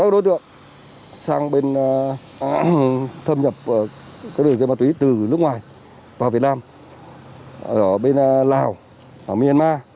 các đối tượng sang bên thâm nhập các đường dây ma túy từ nước ngoài vào việt nam ở bên lào ở myanmar